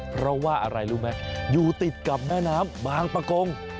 เพราะว่าอะไรรู้ไหมอยู่ติดกับแม่น้ำบางประกง